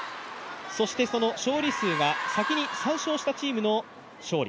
そして、その勝利数が先に３勝したチームの勝利。